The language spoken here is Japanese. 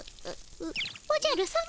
おじゃるさま